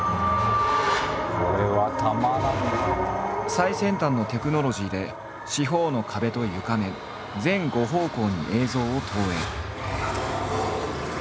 最先端のテクノロジーで四方の壁と床面全５方向に映像を投影。